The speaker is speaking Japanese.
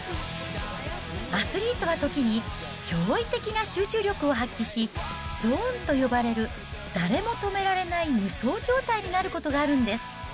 アスリートは時に、驚異的な集中力を発揮し、ゾーンと呼ばれる、誰も止められない無双状態になることがあるんです。